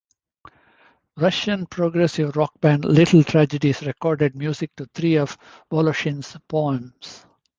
Russian progressive rock band Little Tragedies recorded music to three of Voloshin's poems.